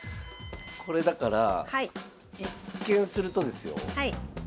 これだから一見するとですよ